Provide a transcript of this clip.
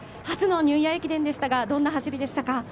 初のニューイヤー駅伝でしたが、どんな走りでしたか？